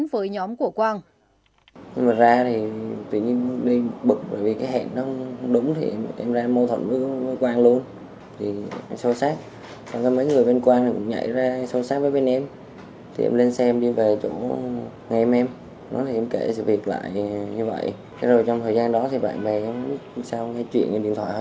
với nhóm của quang